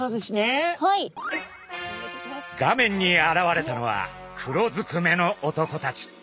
画面に現れたのは黒ずくめの男たち。